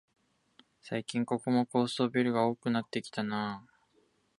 最近ここも高層ビルが多くなってきたなあ